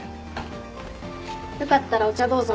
よかったらお茶どうぞ。